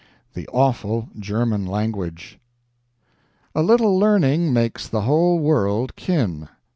The Awful German Language A little learning makes the whole world kin.